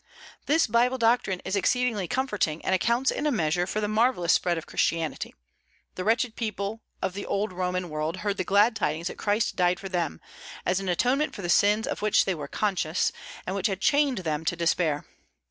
This Bible doctrine is exceedingly comforting, and accounts in a measure for the marvellous spread of Christianity. The wretched people of the old Roman world heard the glad tidings that Christ died for them, as an atonement for the sins of which they were conscious, and which had chained them to despair.